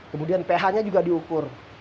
kemudian ph nya juga diukur